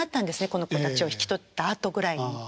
この子たちを引き取ったあとくらいに。